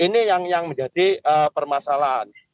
ini yang menjadi permasalahan